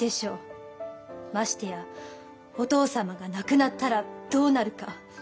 ましてやお父様が亡くなったらどうなるか。